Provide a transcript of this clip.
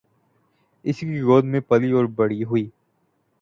اسی کی گود میں پلی اور بڑی ہوئی۔